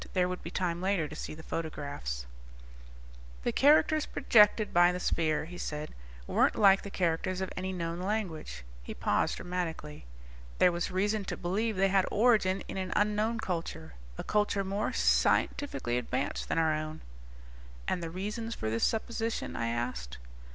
There would be time later to see the photographs. "The characters projected by the sphere," he said, "weren't like the characters of any known language." He paused dramatically. "There was reason to believe they had origin in an unknown culture. A culture more scientifically advanced than our own." "And the reasons for this supposition?" I asked.